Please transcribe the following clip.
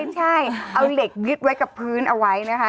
ใช่เอาเหล็กยึดไว้กับพื้นเอาไว้นะคะ